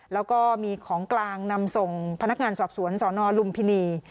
แล้วก็มีของกลางนำส่งพนักงานสอบสวนสนลุมพินี